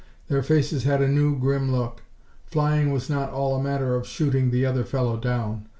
Their faces had a new, grim look. Flying was not all a matter of shooting the other fellow down.